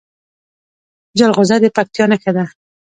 جلغوزه د پکتیا نښه ده.